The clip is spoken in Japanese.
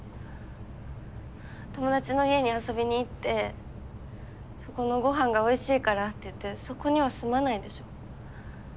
友達の家に遊びに行ってそこのごはんがおいしいからって言ってそこには住まないでしょ？